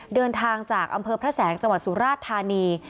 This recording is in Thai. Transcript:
เดินทางจากอำเภอพระแสงจังหวัดสุราชธานี